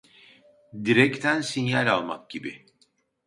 Direkten sinyal almak gibi